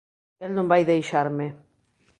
El non vai deixarme.